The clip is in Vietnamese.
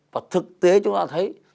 và thực tế chúng ta thấy